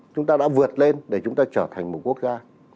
chúng ta đã vượt lên để chúng ta trở thành một quốc gia